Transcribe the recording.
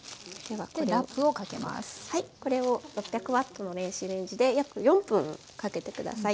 はいこれを６００Ｗの電子レンジで約４分かけて下さい。